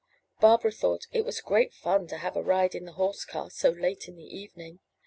Barbara thought it was great fun to have a ride in the horse car so late in the evening.